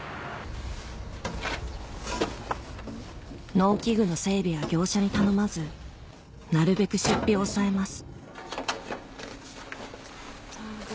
農機具の整備は業者に頼まずなるべく出費を抑えます